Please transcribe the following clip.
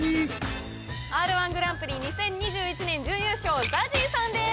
Ｒ−１グランプリ２０２１年準優勝ＺＡＺＹさんです！